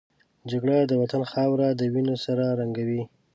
جګړه د وطن خاوره د وینو سره رنګوي